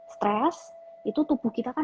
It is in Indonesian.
stress itu tubuh kita